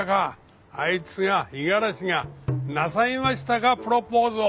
あいつが五十嵐がなさいましたかプロポーズを。